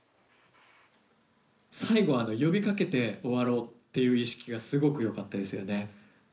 最後は呼びかけて終わろうっていう意識がすごくよかったですよね。